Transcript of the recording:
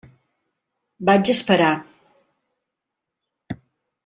Vaig esperar.